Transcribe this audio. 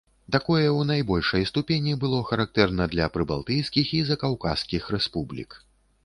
Такое ў найбольшай ступені было характэрна для прыбалтыйскіх і закаўказскіх рэспублік.